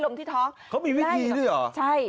พี่ทำยังไงฮะ